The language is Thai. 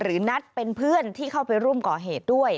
นัทเป็นเพื่อนที่เข้าไปร่วมก่อเหตุด้วย